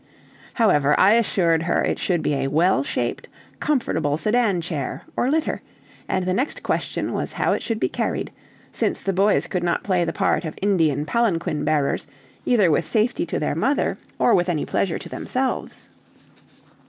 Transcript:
However, I assured her it should be a well shaped, comfortable sedan chair, or litter; and the next question was how it should be carried, since the boys could not play the part of Indian palanquin bearers, either with safety to their mother, or with any pleasure to themselves.